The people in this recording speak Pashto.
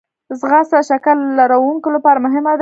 ځغاسته د شکر لرونکو لپاره مهمه ده